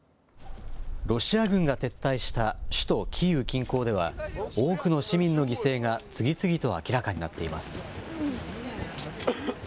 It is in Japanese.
ロシア軍が撤退した首都キーウ近郊では多くの市民の犠牲が次々と明らかになっています。